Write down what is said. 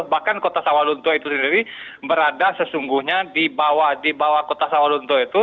bahkan kota sawalunto itu sendiri berada sesungguhnya di bawah kota sawalunto itu